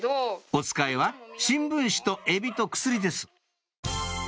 おつかいは新聞紙とエビと薬です